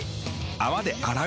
泡で洗う。